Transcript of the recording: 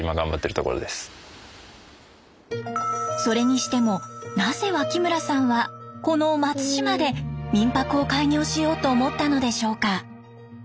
それにしてもなぜ脇村さんはこの松島で民泊を開業しようと思ったのでしょうか。